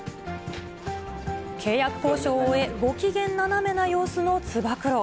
契約交渉を終え、ご機嫌斜めな様子のつば九郎。